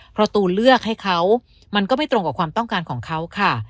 เพราะตูนเลือกให้เขามันก็ไม่ตรงกับความต้องการของเขาค่ะ